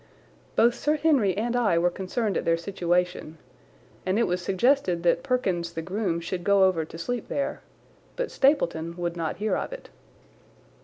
Both Sir Henry and I were concerned at their situation, and it was suggested that Perkins the groom should go over to sleep there, but Stapleton would not hear of it.